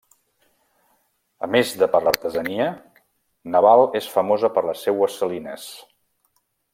A més de per l'artesania, Naval és famosa per les seues salines.